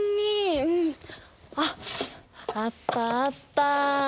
あっあったあった！